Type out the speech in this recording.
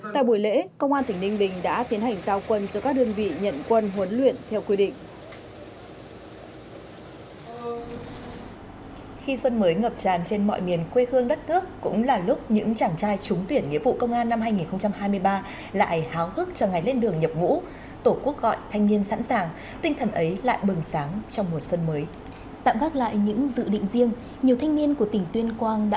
tại buổi lễ công an tỉnh ninh bình đã tiến hành giao quân cho các đơn vị nhận quân